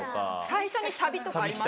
最初にサビとかありますよね。